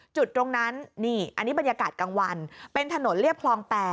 จุดตรงนั้นนี่อันนี้บรรยากาศกลางวันเป็นถนนเรียบคลอง๘